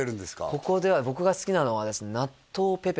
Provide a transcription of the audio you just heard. ここでは僕が好きなのはですね何？